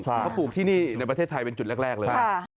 ค่ะก็ปลูกที่นี่ในประเทศไทยเป็นจุดแรกเลยฮะค่ะ